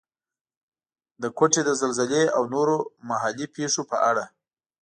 د کوټې د زلزلې او نورو محلي پېښو په اړه.